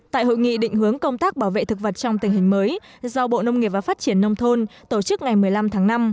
tại hội nghị định hướng công tác bảo vệ thực vật trong tình hình mới do bộ nông nghiệp và phát triển nông thôn tổ chức ngày một mươi năm tháng năm